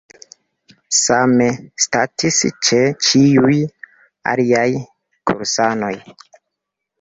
Same statis ĉe ĉiuj aliaj kursanoj.